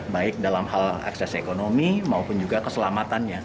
baik dalam hal akses ekonomi maupun juga keselamatannya